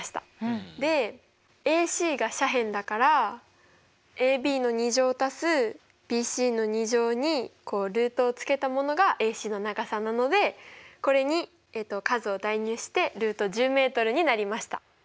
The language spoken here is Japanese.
でＡＣが斜辺だからＡＢの２乗足すＢＣの２乗にルートをつけたものがＡＣの長さなのでこれに数を代入してｍになりました。